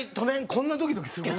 こんなドキドキする事。